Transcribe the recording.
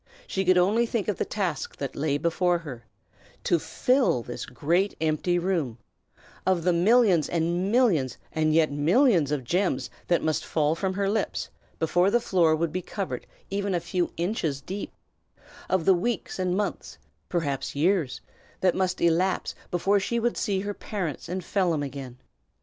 She could only think of the task that lay before her, to FILL this great, empty room; of the millions and millions, and yet again millions of gems that must fall from her lips before the floor would be covered even a few inches deep; of the weeks and months, perhaps the years, that must elapse before she would see her parents and Phelim again.